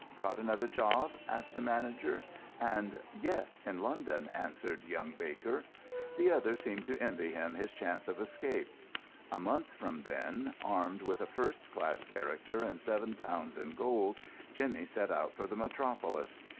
"Got another job?" asked the manager; and "Yes, in London," answered young Baker. The other seemed to envy him his chance of escape. A month from then, armed with a first class character and seven pounds in gold, Jimmy set out for the metropolis.